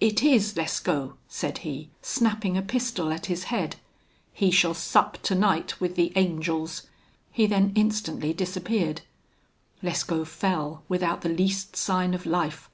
'It IS Lescaut!' said he, snapping a pistol at his head; 'he shall sup tonight with the angels!' He then instantly disappeared. Lescaut fell, without the least sign of life.